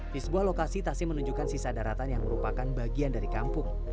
di sebuah lokasi tasim menunjukkan sisa daratan yang merupakan bagian dari kampung